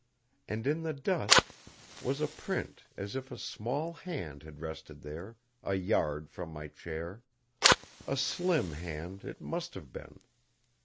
And in the dust was a print as if a small hand had rested there, a yard from my chair. A slim hand it must have been.